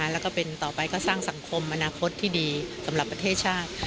แล้วก็เป็นต่อไปก็สร้างสังคมอนาคตที่ดีสำหรับประเทศชาติ